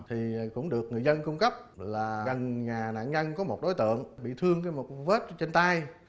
thì cũng được người dân cung cấp là gần nhà nạn nhân có một đối tượng bị thương một vết trên tay